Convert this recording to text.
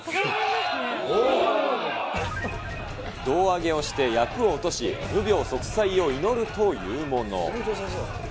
胴上げをして厄を落とし、無病息災を祈るというもの。